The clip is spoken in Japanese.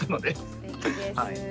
すてきです。